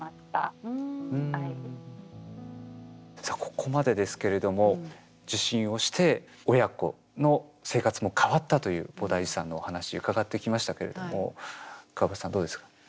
さあここまでですけれども受診をして親子の生活も変わったというボダイジュさんのお話伺ってきましたけれどもくわばたさんどうですか？